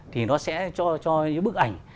thì nó sẽ cho những bức ảnh